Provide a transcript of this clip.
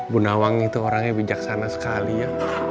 bunda wang itu orangnya bijaksana sekali ya